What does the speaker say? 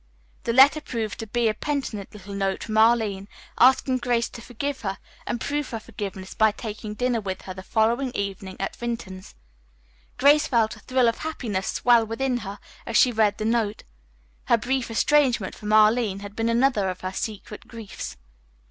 The letter proved to be a penitent little note from Arline asking Grace to forgive her, and prove her forgiveness by taking dinner with her the following evening at Vinton's. Grace felt a thrill of happiness swell within her as she read the note. Her brief estrangement from Arline had been another of her secret griefs.